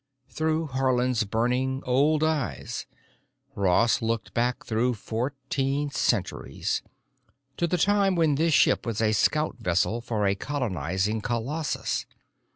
Through Haarland's burning, old eyes, Ross looked back through fourteen centuries, to the time when this ship was a scout vessel for a colonizing colossus.